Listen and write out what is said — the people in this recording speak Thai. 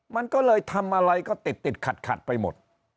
มันก็เลยทำอะไรก็ติดขัดไปหมด